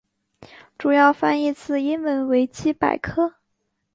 主要翻译自英文维基百科。